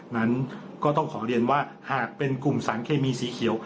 นั้นก็ต้องขอเรียนว่าหากเป็นกลุ่มสารเคมีสีเขียว